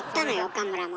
岡村も。